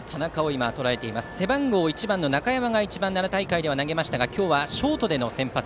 背番号１番の中山奈良大会では一番投げましたが今日はショートでの先発。